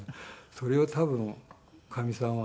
それを多分かみさんは。